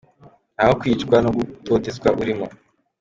Nta wo kwicwa no gutotezwa urimo.